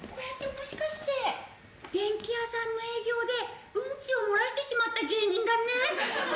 電器屋さんの営業でうんちを漏らしてしまった芸人だね。